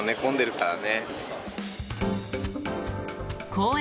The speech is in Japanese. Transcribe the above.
公園